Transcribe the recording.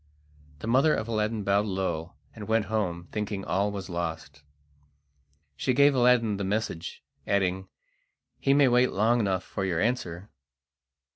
The mother of Aladdin bowed low and went home, thinking all was lost. She gave Aladdin the message, adding: "He may wait long enough for your answer!"